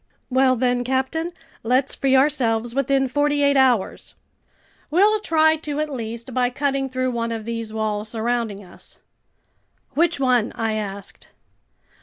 "Well then, captain, let's free ourselves within forty eight hours!" "We'll try to at least, by cutting through one of these walls surrounding us." "Which one?" I asked.